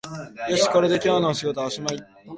よし、これで今日の仕事はおしまい